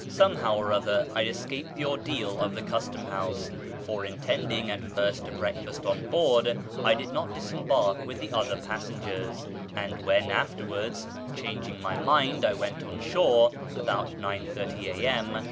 Somehow or other I escaped the ordeal of the Custom house ; for, intending at first to breakfast on board, I did not disembark wutli the other passengers, and when afterwards, changing my mind, I went on shore, about 9.30 a.m.